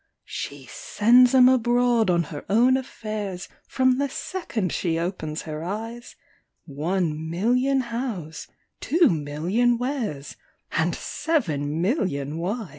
She sends 'em abroad on her own affairs, From the second she opens her eyes One million Hows, two million Wheres, And seven million Whys!